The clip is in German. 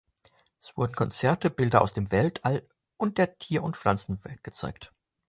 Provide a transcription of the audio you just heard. Es wurden Konzerte, Bilder aus dem Weltall und der Tier- und Pflanzenwelt gezeigt.